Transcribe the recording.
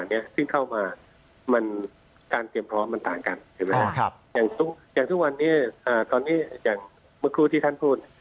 เดินเข้ามาการเตรียมพร้อมมันต่างกันทุกวันนี้ตอนนี้เมื่อกรูที่ท่านพูด